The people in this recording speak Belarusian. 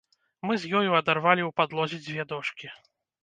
Мы з ёю адарвалі ў падлозе дзве дошкі.